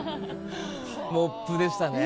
モップでしたね。